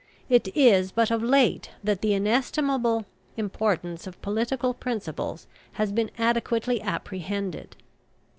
It is but of late that the inestimable importance of political principles has been adequately apprehended.